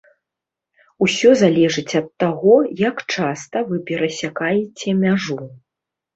Усё залежыць ад таго, як часта вы перасякаеце мяжу.